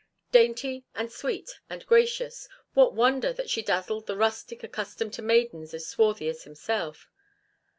Dainty and sweet and gracious, what wonder that she dazzled the rustic accustomed to maidens as swarthy as himself?